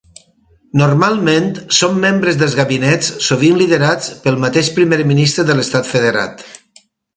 Normalment, són membres dels gabinets, sovint liderats pel mateix primer ministre de l'estat federat.